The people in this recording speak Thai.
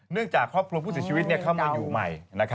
เนื่องจากครอบครัวผู้ชีวิตเข้ามาอยู่ใหม่